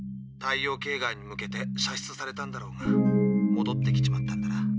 太陽系外に向けて射出されたんだろうがもどってきちまったんだな。